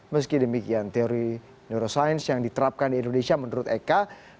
meski demikian teori neuroscience yang diterapkan di indonesia menurut eka